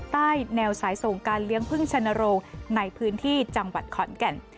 ใต้แนวสายส่งการเลี้ยงพึ่งชนโรงในพื้นที่จังหวัดขอนแก่น